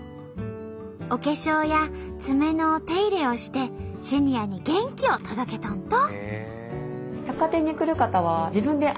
お化粧や爪のお手入れをしてシニアに元気を届けとんと！